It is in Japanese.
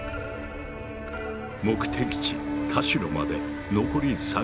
目的地・田代まで残り３ｋｍ。